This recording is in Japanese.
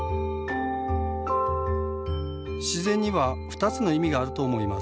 自然には２つの意味があると思います。